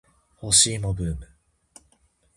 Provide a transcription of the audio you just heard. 干し芋ブーム